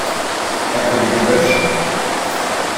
Herr Kollege Bösch!